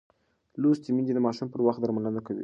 لوستې میندې د ماشوم پر وخت درملنه کوي.